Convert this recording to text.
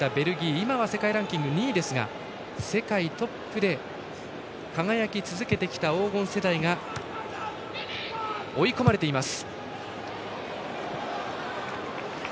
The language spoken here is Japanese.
今は世界ランキング２位ですが世界トップで輝き続けてきた黄金世代が追い込まれています。